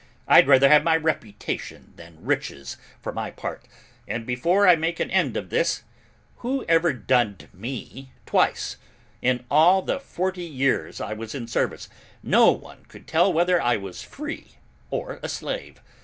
I'd rather have my reputation than riches, for my part, and before I make an end of this who ever dunned me twice? In all the forty years I was in service, no one could tell whether I was free or a slave.